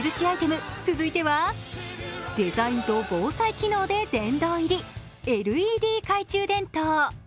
アイテム続いてはデザインと防災機能で殿堂入り、ＬＥＤ懐中電灯。